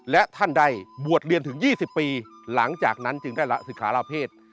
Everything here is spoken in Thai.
และท่านได้บวชเรียนถึง๒๐ปีหลังจากนั้นจึงได้ละศึกษาลาเพศ